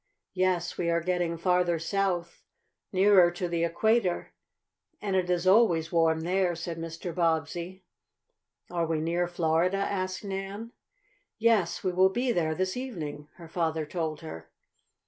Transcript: "Yes, we are getting farther south, nearer to the equator, and it is always warm there," said Mr. Bobbsey. "Are we near Florida?" asked Nan. "Yes, we will be there this evening," her father told her.